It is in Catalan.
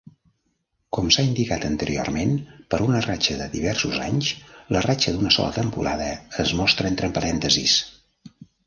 Com s'ha indicat anteriorment, per a una ratxa de diversos anys, la ratxa d'una sola temporada es mostra entre parèntesis.